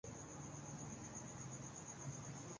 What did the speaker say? پوری کتاب نہیں۔